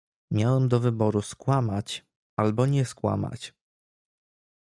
"Miałem do wyboru skłamać albo nie skłamać."